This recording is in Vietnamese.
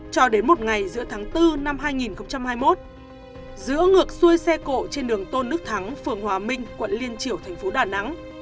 cho đến một ngày giữa tháng bốn năm hai nghìn hai mươi một giữa ngược xuôi xe cộ trên đường tôn đức thắng phường hòa minh quận liên triểu thành phố đà nẵng